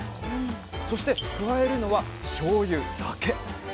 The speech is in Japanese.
そして加えるのはしょうゆだけ！